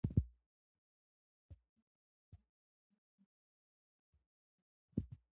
د حیواناتو او مرغانو سره مینه د طبیعت د پېژندنې پیل دی.